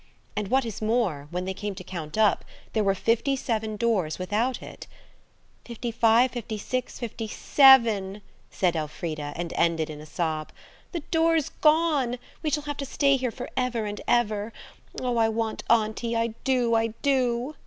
And what is more, when they came to count up, there were fifty seven doors without it. "Fifty five, fifty six, fifty seven," said Elfrida, and ended in a sob,–"the door's gone! We shall have to stay here for ever and ever. Oh, I want auntie–I do, I do!